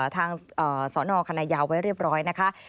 สนคณะยาวไว้เรียบร้อยนะคะ